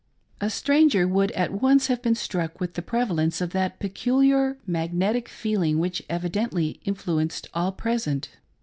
A stranger would at once have been struck with the preval ence of that peculiar magnetic feeling which evidently influ enced all present.